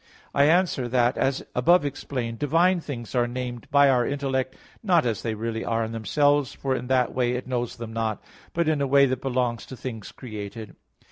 I answer that, As above explained (Q. 13, AA. 1, 2), divine things are named by our intellect, not as they really are in themselves, for in that way it knows them not; but in a way that belongs to things created.